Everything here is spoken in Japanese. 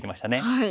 はい。